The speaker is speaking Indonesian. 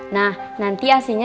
nah nanti aslinya